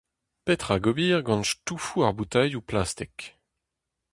Petra d'ober gant stouvoù ar boutailhoù plastik ?